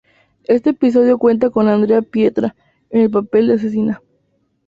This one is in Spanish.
Este episodio cuenta con Andrea Pietra, en el papel de asesina.